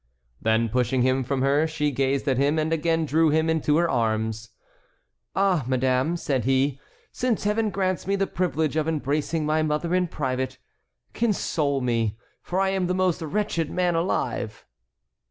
Then pushing him from her she gazed at him and again drew him into her arms. "Ah, madame," said he, "since Heaven grants me the privilege of embracing my mother in private, console me, for I am the most wretched man alive."